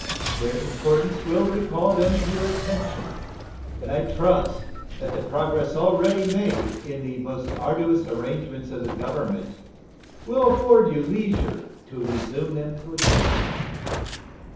Their importance will recall them to your attention, and I trust that the progress already made in the most arduous arrangements of the Government will afford you leisure to resume them to advantage.